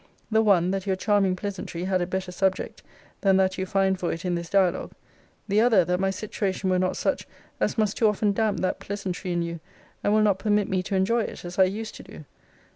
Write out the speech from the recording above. The one, that your charming pleasantry had a better subject than that you find for it in this dialogue the other, that my situation were not such, as must too often damp that pleasantry in you, and will not permit me to enjoy it, as I used to do.